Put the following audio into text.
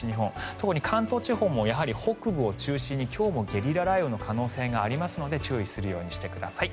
特に関東地方もやはり北部を中心に今日もゲリラ雷雨の可能性がありますので注意するようにしてください。